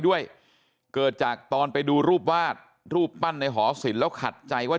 ด้วยเกิดจากตอนไปดูรูปวาดรูปปั้นในหอศิลป์แล้วขัดใจว่า